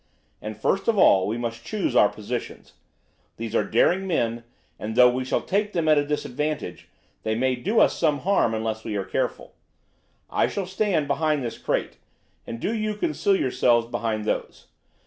And, first of all, we must choose our positions. These are daring men, and though we shall take them at a disadvantage, they may do us some harm unless we are careful. I shall stand behind this crate, and do you conceal yourselves behind those.